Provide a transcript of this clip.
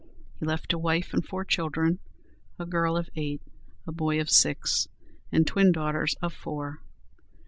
He left a wife and four children, a girl of eight, a boy of six, and twin daughters of four.